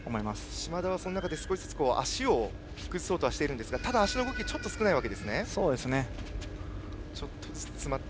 嶋田は、その中で少しずつ足を崩そうとはしているんですがただ、足の動きがちょっと少ないという。